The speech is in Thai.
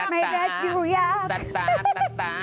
ไม่และอยู่ยักษ์